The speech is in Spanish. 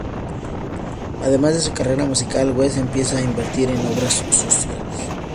Además de su carrera musical, Wes empieza a invertir en obras sociales.